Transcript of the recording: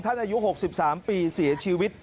อายุ๖๓ปีเสียชีวิต